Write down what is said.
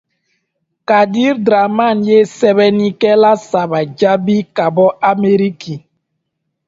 Kadir Dramane ye sɛbɛnnikɛla saba jaabi ka bɔ Ameriki.